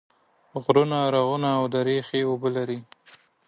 غرونه، رغونه او درې ښې اوبه لري